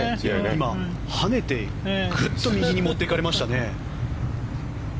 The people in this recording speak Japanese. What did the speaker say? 今、跳ねてグッと右に持っていかれましたね。